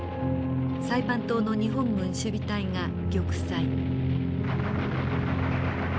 サイパン島の日本軍守備隊が玉砕。